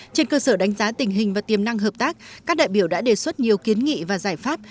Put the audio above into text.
trên cơ sở đánh giá tình hình và tiềm năng hợp tác các đại biểu đã đề xuất nhiều kiến nghị và giải pháp